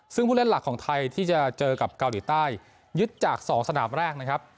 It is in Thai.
ซึ่งผู้เล่นหลักของไทยที่จะเจอกับเกาหลีใต้ยึดจาก๒สนามแรกนะครับ